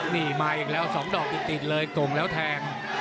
นี่มาอีกแล้ว๒ดอกติดเลยโก่งแล้วแทง